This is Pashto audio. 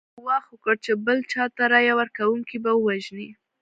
دوی ګواښ وکړ چې بل چا ته رایه ورکونکي به ووژني.